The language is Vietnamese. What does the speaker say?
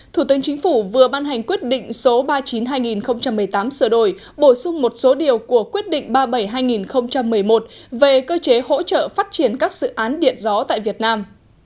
thủ tướng chính phủ vừa ban hành quyết định số ba mươi chín hai nghìn một mươi tám sửa đổi bổ sung một số điều của quyết định ba mươi bảy hai nghìn một mươi một về cơ chế hỗ trợ phát triển các dự án điện gió tại việt nam